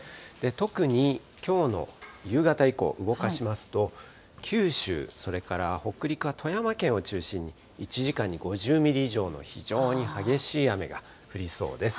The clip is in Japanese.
特にきょうの夕方以降、動かしますと、九州、それから北陸は富山県を中心に１時間に５０ミリ以上の非常に激しい雨が降りそうです。